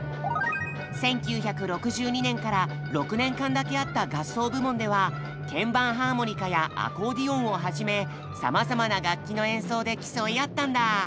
１９６２年から６年間だけあった合奏部門では鍵盤ハーモニカやアコーディオンをはじめさまざまな楽器の演奏で競い合ったんだ。